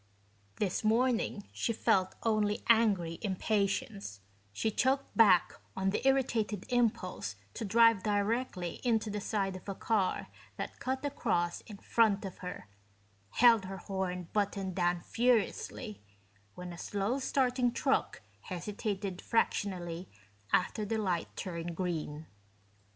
This morning she felt only angry impatience; she choked back on the irritated impulse to drive directly into the side of a car that cut across in front of her, held her horn button down furiously when a slow starting truck hesitated fractionally after the light turned green.